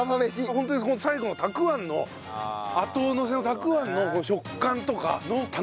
ホントに最後のたくあんの後のせのたくあんの食感とかの楽しさ。